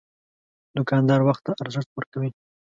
دوکاندار وخت ته ارزښت ورکوي.